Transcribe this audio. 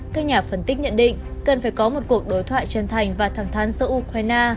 các nhà phân tích nhận định cần phải có một cuộc đối thoại chân thành và thẳng thắn giữa ukraine